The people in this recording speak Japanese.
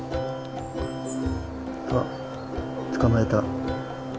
あっ捕まえた。